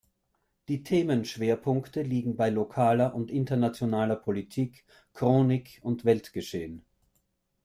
Die Themenschwerpunkte liegen bei lokaler und internationaler Politik, Chronik und Weltgeschehen.